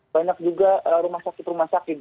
banyak juga rumah sakit rumah sakit